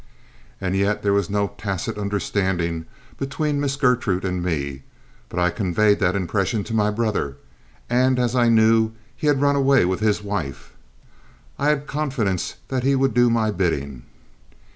As yet there was no tacit understanding between Miss Gertrude and me, but I conveyed that impression to my brother, and as I knew he had run away with his wife, I had confidence he would do my bidding.